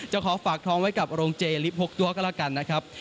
ขอฝากทองไว้กับโรงเจลิฟต์๖ตัวก็แล้วกันนะครับ